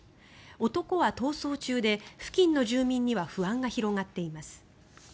男は逃走中で、付近の住民には不安が広がっています。